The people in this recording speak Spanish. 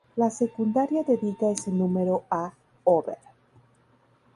La secundaria dedica ese número a Hoover.